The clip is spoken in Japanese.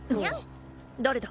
誰だ？